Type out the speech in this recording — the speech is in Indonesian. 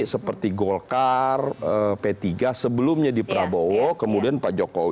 seperti golkar p tiga sebelumnya di prabowo kemudian pak jokowi